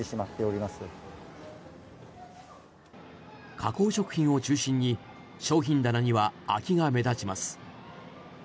加工食品を中心に商品棚には空きが目立ちます。